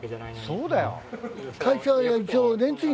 そうだよ！